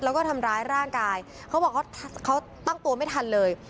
แล้วก็ทำร้ายร่างกายเขาบอกเขาตั้งตัวไม่ทันเลย